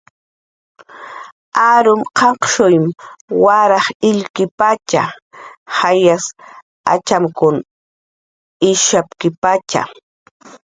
Arum qanqshuym waraj illkipatxa, jayas atxamkun ishapkipatxa